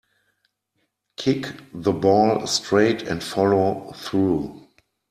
Kick the ball straight and follow through.